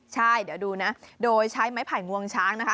ใช่เดี๋ยวดูนะโดยใช้ไม้ไผ่งวงช้างนะคะ